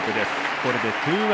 これで２−１。